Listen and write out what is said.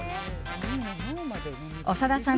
長田さん